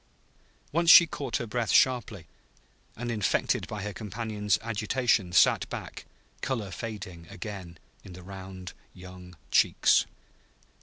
Once she caught her breath sharply, and, infected by her companion's agitation, sat back, color fading again in the round young cheeks.